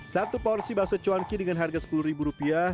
satu porsi bakso cuanki dengan harga sepuluh ribu rupiah